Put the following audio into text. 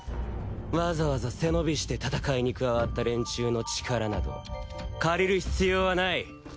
わざわざ背伸びして戦いに加わった連中の力など借りる必要はない。